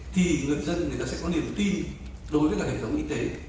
thì người dân người ta sẽ có niềm tin đối với cả hệ thống y tế